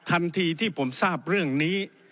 ทันทีที่ผมทราบเรื่องนี้